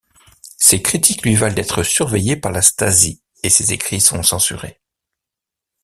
Ses critiques lui valent d'être surveillé par la Stasi et ses écrits sont censurés.